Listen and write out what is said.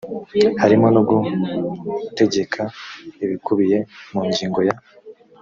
harimo no gutegeka ibikubiye mu ngingo ya